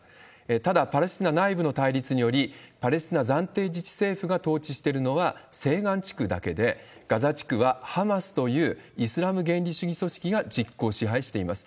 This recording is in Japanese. ただ、パレスチナ内部の対立により、パレスチナ暫定自治政府が統治してるのは西岸地区だけで、ガザ地区はハマスという、イスラム原理主義組織が実効支配しています。